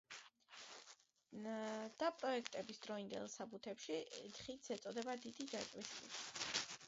დაპროექტების დროინდელ საბუთებში ხიდს ეწოდება „დიდი ჯაჭვის ხიდი“.